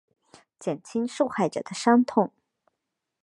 减轻受害者的伤痛